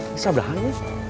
bisa belahang ya